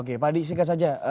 oke pak adi singkat saja